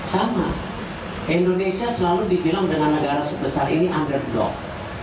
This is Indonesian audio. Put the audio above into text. sama indonesia selalu dibilang dengan negara sebesar ini underdog